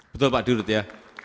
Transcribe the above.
betul pak dirut ya